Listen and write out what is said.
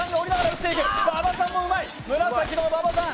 馬場さんもうまい、紫の馬場さん。